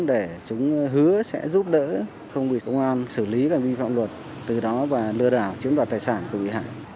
để chúng hứa sẽ giúp đỡ không bị công an xử lý hành vi pháp luật từ đó và lừa đảo chiếm đoạt tài sản của người bị hại